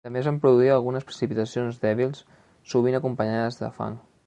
També es van produir algunes precipitacions dèbils, sovint acompanyades de fang.